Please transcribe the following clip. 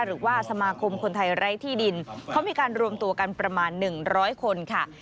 หรือว่าสมาคมคนไทยไร้ที่ดินเขามีการรวมตัวกันประมาณ๑๐๐คนค่ะ